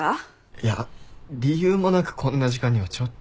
いや理由もなくこんな時間にはちょっと。